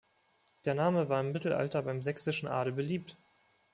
Der Name war im Mittelalter beim sächsischen Adel beliebt.